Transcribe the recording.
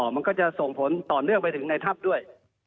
มันก็จะส่งผลต่อเนื่องไปถึงในถ้ำด้วย